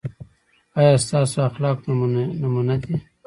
ایا ستاسو اخلاق نمونه دي؟